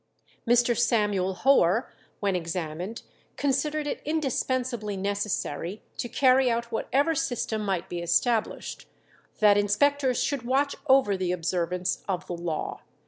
Mr. Samuel Hoare, when examined, considered it indispensably necessary, to carry out whatever system might be established, that inspectors should watch over the observance of the law.